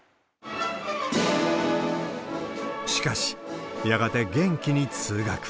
しかし、やがて元気に通学。